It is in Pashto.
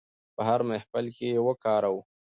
په هر محفل کې یې وکاروو.